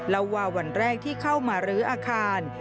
เล่าว่าวันแรกที่เข้ามารื้ออาคาร